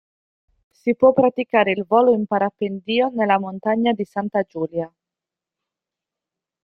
Si può praticare il volo in parapendio nella montagna di Santa Giulia.